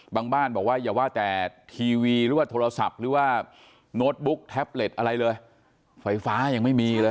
บ้านบอกว่าอย่าว่าแต่ทีวีหรือว่าโทรศัพท์หรือว่าโน้ตบุ๊กแท็บเล็ตอะไรเลยไฟฟ้ายังไม่มีเลย